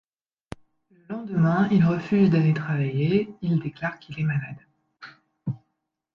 Le lendemain, il refuse d'aller travailler, il déclare qu'il est malade.